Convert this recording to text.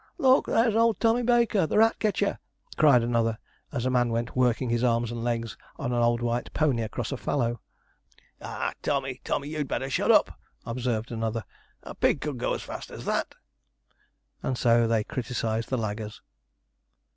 'Look! there's old Tommy Baker, the rat ketcher!' cried another, as a man went working his arms and legs on an old white pony across a fallow. 'Ah, Tommy! Tommy! you'd better shut up,' observed another: 'a pig could go as fast as that.' And so they criticized the laggers.